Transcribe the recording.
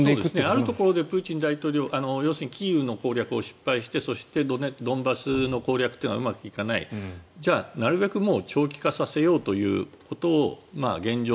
あるところでプーチンは要するにキーウの攻略を失敗してそしてドンバスの攻略はうまくいかないじゃあ、なるべく長期化させようということを現状